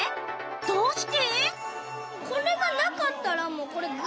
どうして？